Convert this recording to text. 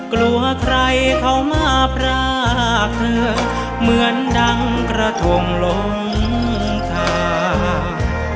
กลัวใครเข้ามาพรากเธอเหมือนดังกระทงลงทาง